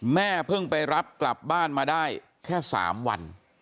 แม่เพิ่งไปรับกลับบ้านมาได้แค่๓วัน